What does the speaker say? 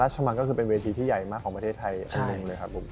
ราชมังก็คือเป็นเวทีที่ใหญ่มากของประเทศไทย